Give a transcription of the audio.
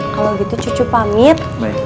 kalau gitu cucu pamit